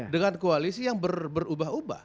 dengan koalisi yang berubah ubah